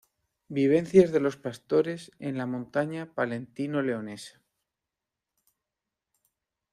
Vivencias de los pastores en la montaña palentino-leonesa.